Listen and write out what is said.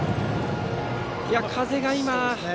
風が今。